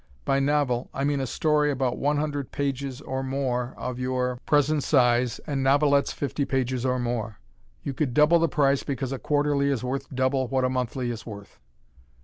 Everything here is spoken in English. By novel, I mean a story of about one hundred pages or more of your present size, and novelettes fifty pages or more. You could double the price because a quarterly is worth double what a monthly is worth.